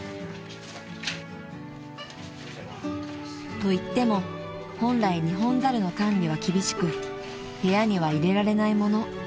［といっても本来ニホンザルの管理は厳しく部屋には入れられないもの］